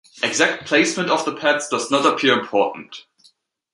Exact placement of the pads does not appear important.